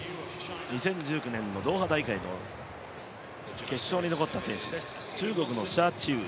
２０１９年のドーハ大会の決勝に残った選手です。